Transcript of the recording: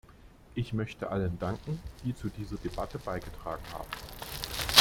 Ich möchte allen danken, die zu dieser Debatte beigetragen haben.